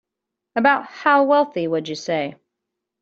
About how wealthy would you say?